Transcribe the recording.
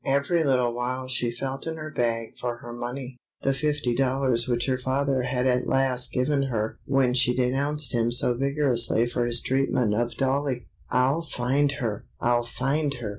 Every little while she felt in her bag for her money—the fifty dollars which her father had at last given her when she denounced him so vigorously for his treatment of Dollie. "I'll find her! I'll find her!"